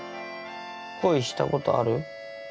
恋したことある？